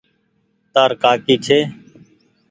تآر ڪآڪي ڇي۔